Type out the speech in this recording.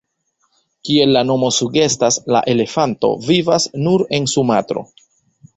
Kiel la nomo sugestas, la elefanto vivas nur en Sumatro.